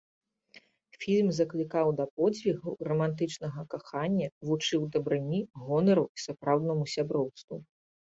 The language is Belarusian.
Фільм заклікаў да подзвігаў, рамантычнага кахання, вучыў дабрыні, гонару і сапраўднаму сяброўству.